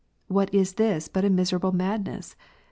What is this but a miserable madness?